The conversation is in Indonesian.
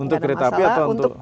untuk kereta api atau untuk